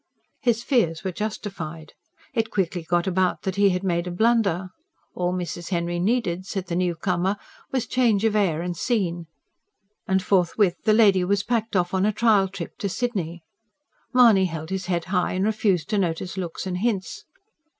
His fears were justified. It quickly got about that he had made a blunder: all Mrs. Henry needed, said the new comer, was change of air and scene; and forthwith the lady was packed off on a trial trip to Sydney. Mahony held his head high, and refused to notice looks and hints.